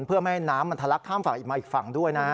เพื่อไม่ให้น้ำมันทะลักข้ามฝั่งมาอีกฝั่งด้วยนะ